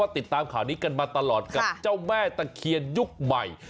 ติดตามข่าวนี้กันมาตลอดกับเจ้าแม่ตะเคียนยุคใหม่